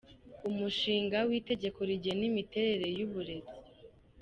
Umushinga w’Itegeko rigena Imiterere y’Uburezi ;